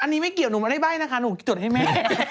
อันนี้ไม่เกี่ยวหนูไม่ได้ใบ้นะคะหนูจดให้แม่